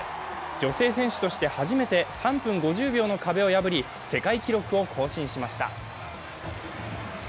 女性選手として初めて３分５０秒の壁を破り世界記録を更新しました。